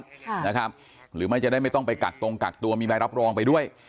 ค่ะนะครับหรือไม่จะได้ไม่ต้องไปกักตรงกักตัวมีใบรับรองไปด้วย